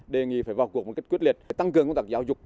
đề nghị phải vào cuộc một cách quyết liệt tăng cường công tác giáo dục